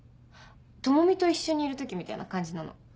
知美と一緒にいる時みたいな感じなの。